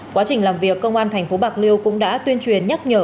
quá trình làm việc công an thành phố bạc liêu cũng đã tuyên truyền nhắc nhở